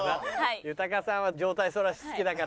豊さんは上体反らし好きだから。